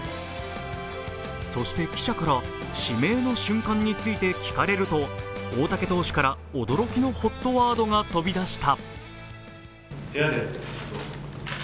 そして記者から指名の瞬間について聞かれると、大竹投手から驚きのＨＯＴワードが飛び出した。